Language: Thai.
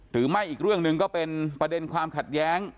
อีกเรื่องหนึ่งก็เป็นประเด็นความขัดแย้ง